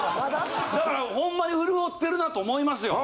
だからほんまに潤ってるなと思いますよ